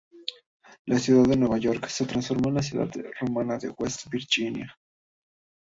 La ciudad de York se transformó en la ciudad romana de West Virginia.